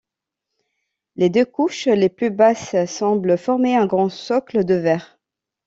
Les deux couches les plus basses semblent former un grand socle de verre.